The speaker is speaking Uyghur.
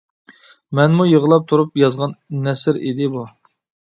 مەنمۇ يىغلاپ تۇرۇپ يازغان نەسر ئىدى بۇ.